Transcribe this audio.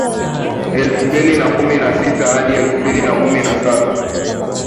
Elfu mbili kumi na sita hadi elfu mbili kumi na saba